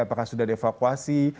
apakah sudah devakuasi